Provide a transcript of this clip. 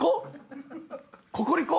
ココリコ？